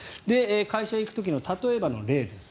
会社に行く時の例えばの例です。